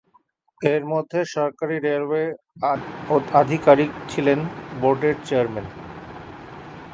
এর মধ্যে সরকারি রেলওয়ে আধিকারিক ছিলেন বোর্ডের চেয়ারম্যান।